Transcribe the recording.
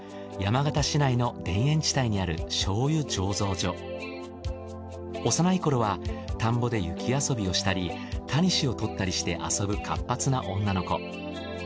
作間さんの幼い頃は田んぼで雪遊びをしたりタニシをとったりして遊ぶ活発な女の子。